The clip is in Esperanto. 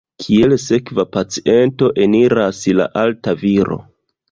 Kiel sekva paciento eniras la alta viro.